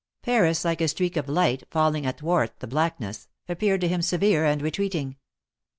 Paris, like a streak of light falling athwart the blackness, appeared to him severe and retreating.